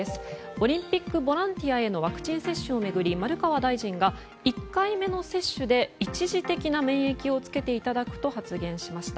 オリンピックボランティアへのワクチン接種を巡り、丸川大臣が１回目の接種で一時的な免疫をつけていただくと発言しました。